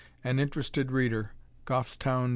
An Interested Reader, Goffstown, N.